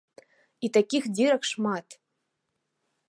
І такіх дзірак шмат.